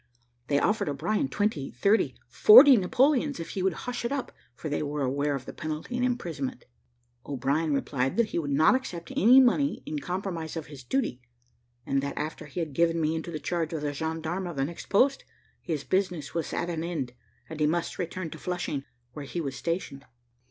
They offered O'Brien twenty, thirty, forty Napoleons, if he would hush it up, for they were aware of the penalty and imprisonment. O'Brien replied that he would not accept of any money in compromise of his duty, that after he had given me into the charge of the gendarme of the next post, his business was at an end, and he must return to Flushing, where he was stationed.